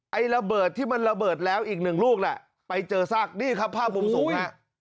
ไอ้ระเบิดที่มันระเบิดแล้วอีกหนึ่งลูกน่ะไปเจอซากนี่ครับภาพมุมสูงฮะ